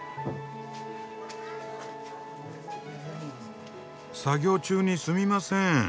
作業中にすみません。